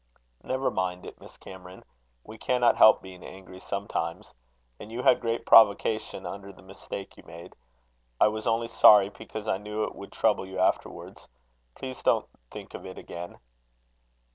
"Never mind it, Miss Cameron. We cannot help being angry sometimes. And you had great provocation under the mistake you made. I was only sorry because I knew it would trouble you afterwards. Please don't think of it again."